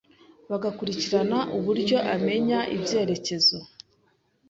bagakurirana uburyo amenya ibyerekezo,